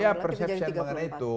ya perception mengenai itu